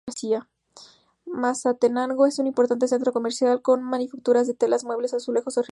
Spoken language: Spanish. Mazatenango es un importante centro comercial, con manufacturas de telas, muebles, azulejos y orfebrería.